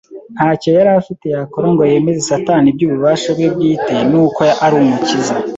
ntacyo yari afite yakora ngo yemeze Satani iby’ububasha bwe bwite n’uko ari Umukiza